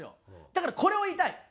だからこれを言いたい。